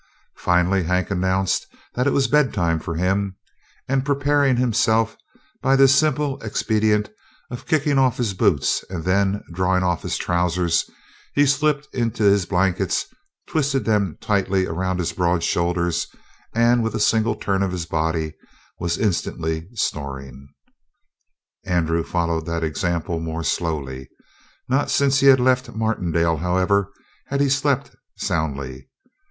Finally Hank announced that it was bedtime for him, and, preparing himself by the simple expedient of kicking off his boots and then drawing off his trousers, he slipped into his blankets, twisted them tightly around his broad shoulders with a single turn of his body, and was instantly snoring. Andrew followed that example more slowly. Not since he left Martindale, however, had he slept soundly.